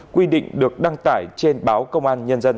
quy định được đăng tải trên báo công an nhân dân